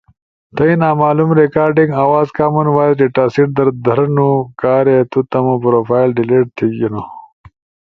تھئی نامعلوم ریکارڈنگ آواز کامن وائس ڈیٹاسیٹ در دھرنو، کارے تو تمو پروفائل ڈیلیٹ تھیگینو